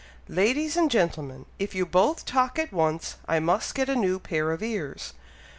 "Ladies and gentlemen! If you both talk at once, I must get a new pair of ears!